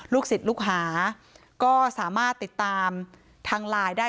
ศิษย์ลูกหาก็สามารถติดตามทางไลน์ได้